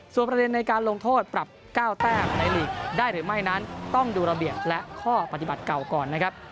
ส่วนประเด็นในการลงโทษปรับ๙แต้มในหลีกได้หรือไม่นั้นต้องดูระเบียบและข้อปฏิบัติเก่าก่อนนะครับ